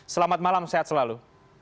selamat malam sehat selalu